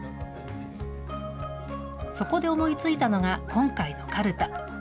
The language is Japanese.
そこで思いついたのが今回のカルタ。